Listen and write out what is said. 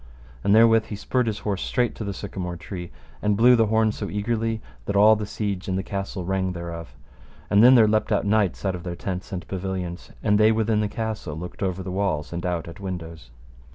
And therewith he spurred his horse straight to the sycamore tree, and blew so the horn eagerly that all the siege and the castle rang thereof. And then there leapt out knights out of their tents and pavilions, and they within the castle looked over the walls and out at windows.